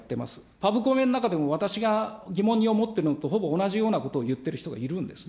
パブコメの中でも私が疑問に思っているのとほぼ同じようなことを言ってる人がいるんですね。